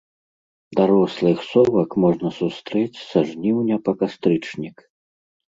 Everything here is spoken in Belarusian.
Дарослых совак можна сустрэць са жніўня па кастрычнік.